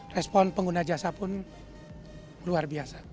respon pengguna jasa pun luar biasa